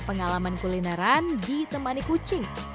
pengalaman kulineran ditemani kucing